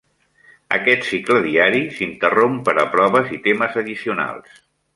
Aquest cicle diari s'interromp per a proves i temes addicionals.